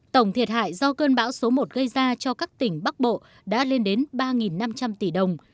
tổng thiệt hại do cơn bão số một gây ra cho các tỉnh bắc bộ đã lên đến ba năm trăm linh tỷ đồng